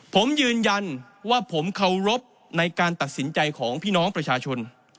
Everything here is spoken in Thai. ผมยืนยันว่าผมเคารพในการตัดสินใจของพี่น้องประชาชน